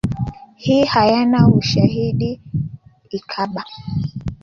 hii hayana ushahidi ikaba